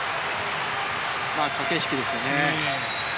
駆け引きですよね。